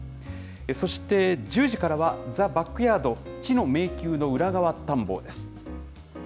そして１０時からは、ザ・バックヤード知の迷宮の裏側探訪です。